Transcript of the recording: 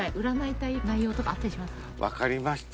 分かりました